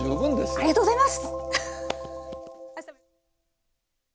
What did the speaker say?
ありがとうございます！